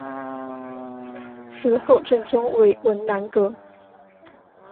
池后正中为文澜阁。